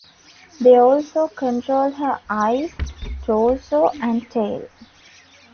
They also control her eyes, torso, and tail.